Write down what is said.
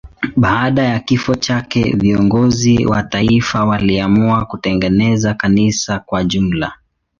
Baada ya kifo chake viongozi wa taifa waliamua kutengeneza kanisa kwa jumla.